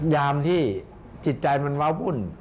ยามที่จิตใจมันว้าววุ่น